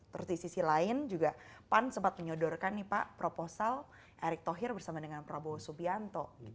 terus di sisi lain juga pan sempat menyodorkan nih pak proposal erick thohir bersama dengan prabowo subianto